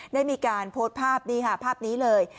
ได้มีการโพสต์ภาพนี้ค่ะภาพนี้เลย